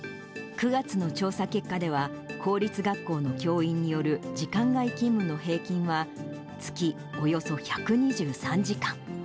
９月の調査結果では、公立学校の教員による時間外勤務の平均は月およそ１２３時間。